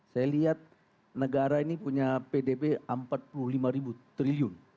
saya lihat negara ini punya pdb empat puluh lima triliun